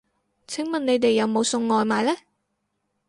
請問你哋有冇送外賣呢